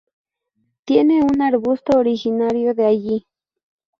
Tiene un arbusto originario de allí.